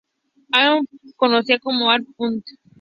Ann Putnam conocida como Ann Putnam, Jr.